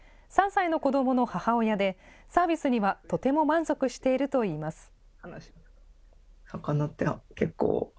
３歳の子どもの母親で、サービスにはとても満足しているといいます。